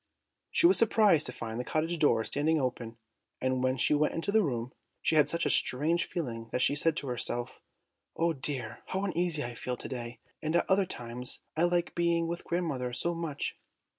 She was surprised to find the cottage door standing open, and when she went into the room, she had such a strange feeling that she said to herself, "Oh dear! how uneasy I feel to day, and at other times I like being with grandmother so much."